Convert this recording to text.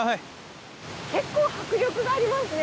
結構迫力がありますね。